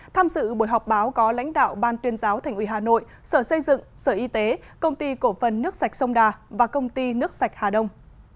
tham dự buổi họp báo có lãnh đạo ban tuyên giáo thành ủy hà nội sở xây dựng sở y tế công ty cổ phần nước sạch sông đà và công ty nước sạch hà đông